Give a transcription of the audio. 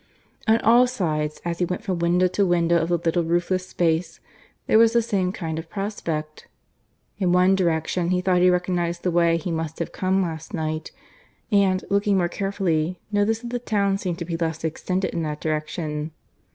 On all sides, as he went from window to window of the little roofless space, there was the same kind of prospect. In one direction he thought he recognized the way he must have come last night; and, looking more carefully, noticed that the town seemed to be less extended in that direction.